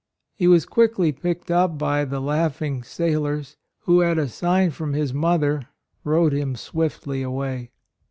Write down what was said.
He was quickly picked up by the laughing sailors, who at a sign from his mother rowed him swiftly away.